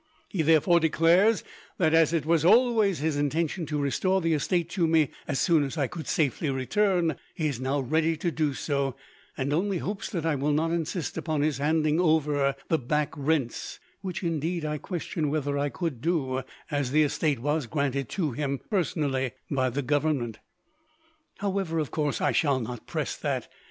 He therefore declares that, as it was always his intention to restore the estate to me, as soon as I could safely return, he is now ready to do so, and only hopes that I will not insist upon his handing over the back rents; which, indeed, I question whether I could do, as the estate was granted to him, personally, by the Government. "However, of course I shall not press that.